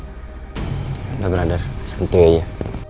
udah brother nanti aja